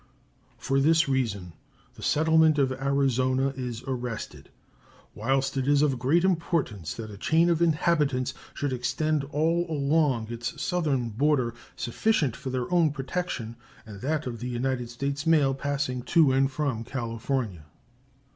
For this reason the settlement of Arizona is arrested, whilst it is of great importance that a chain of inhabitants should extend all along its southern border sufficient for their own protection and that of the United States mail passing to and from California.